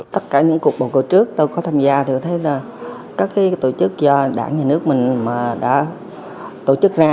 tất cả những cuộc bầu cử trước tôi có tham gia thì tôi thấy là các tổ chức do đảng nhà nước mình đã tổ chức ra